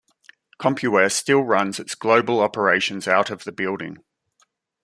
Compuware still runs its global operations out of the building.